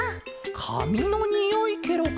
かみのにおいケロか。